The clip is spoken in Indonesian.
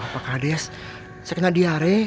pak kades saya kena diare